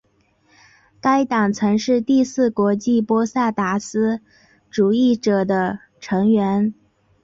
该党曾是第四国际波萨达斯主义者的成员。